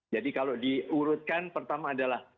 jadi kalau diurutkan pertama adalah